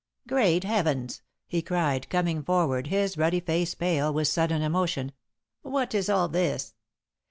"Great heavens!" he cried, coming forward, his ruddy face pale with sudden emotion. "What is all this?"